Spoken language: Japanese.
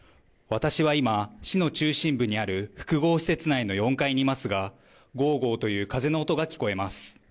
私は今、市の中心部にある複合施設内の４階にいますが、ごーごーという風の音が聞こえます。